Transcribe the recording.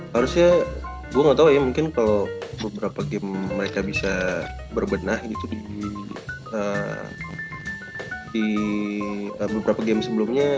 harusnya gue gak tau ya mungkin kalau beberapa game mereka bisa berbenah ini tuh di beberapa game sebelumnya